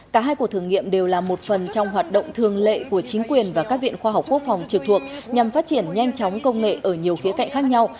cả hai cuộc thử nghiệm đều là một phần trong hoạt động thường lệ của chính quyền và các viện khoa học quốc phòng trực thuộc nhằm phát triển nhanh chóng công nghệ ở nhiều khía cạnh khác nhau